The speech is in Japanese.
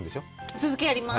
続き、あります。